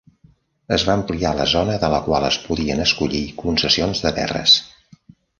Es va ampliar la zona de la qual es podien escollir concessions de terres.